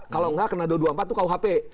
kalau nggak kena dua ratus dua puluh empat itu kuhp